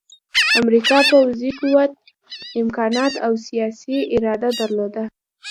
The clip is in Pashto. امریکا پوځي قوت، امکانات او سیاسي اراده درلوده